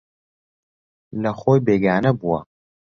لەخۆی بێگانە بووە